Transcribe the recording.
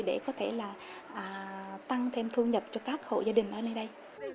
để có thể là tăng thêm thu nhập cho các hộ gia đình ở nơi đây